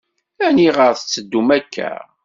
Aniɣer tetteddum akk-a?